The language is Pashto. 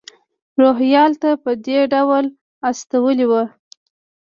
روهیال ته په دې ډول استولی و.